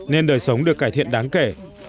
nên đời sống được cải thiện đáng kể